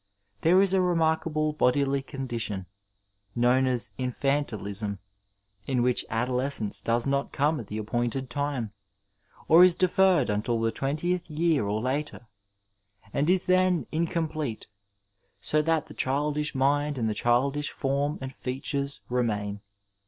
There is a remarkable bodily condition, known as infantilism, in which adolescence does not come at the appointed time, or is deferred until the twentieth year or later, and is then in complete, so that the childish mind and the childish form and features remain.